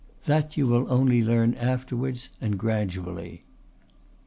That you will only learn afterwards and gradually."